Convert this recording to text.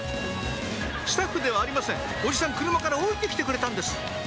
スタッフではありませんおじさん車から降りて来てくれたんです